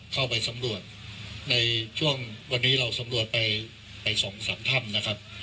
เข้าไปสำรวจในช่วงวันนี้เราสำรวจไปสองสามถ้ำนะครับ